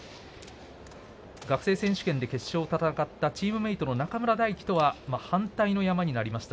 学生選手権で決勝を戦ったチームメートとの中村泰輝とは反対の山になりました。